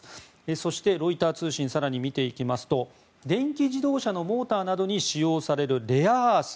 そして、ロイター通信を更に見ていきますと電気自動車のモーターなどに使用されるレアアース